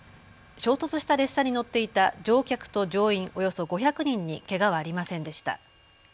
衝突した列車に乗っていた乗客と乗員およそ５００人にけがはありませんでした。